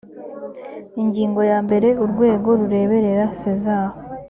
ingingo ya mbere urwego rureberera sezar